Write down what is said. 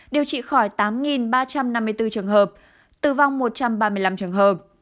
điều trị khỏi tám ba trăm năm mươi bốn trường hợp tử vong một trăm ba mươi năm trường hợp